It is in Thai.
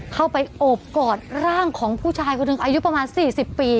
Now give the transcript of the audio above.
เขาไปโอบกอดร่างของผู้ชายคนอื่นอายุประมาณ๔๐ปี